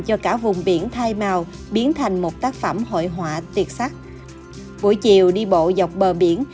cho cả vùng biển thai màu biến thành một tác phẩm hội họa tiệc sắc buổi chiều đi bộ dọc bờ biển